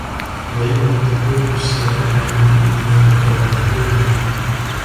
ويوم تقوم الساعة يومئذ يتفرقون